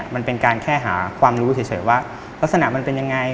มันเป็นการแค่หาความรู้เฉยว่ารักษณะมันเป็นยังไง